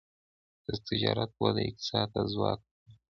د تجارت وده اقتصاد ته ځواک ورکوي.